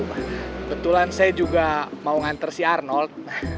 kebetulan saya juga mau ngantar si arnold